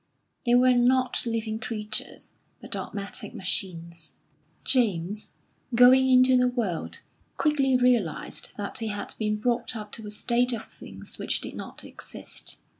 They were not living creatures, but dogmatic machines. James, going into the world, quickly realised that he had been brought up to a state of things which did not exist.